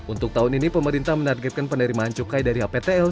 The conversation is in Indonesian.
untuk tahun ini pemerintah menargetkan penerimaan cukai dari hptl